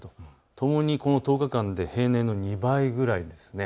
ともにこの１０日間で平年の２倍くらいです。